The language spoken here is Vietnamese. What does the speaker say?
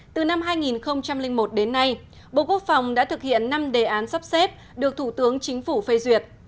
từ năm hai nghìn một đến nay bộ quốc phòng đã thực hiện năm đề án sắp xếp được thủ tướng chính phủ phê duyệt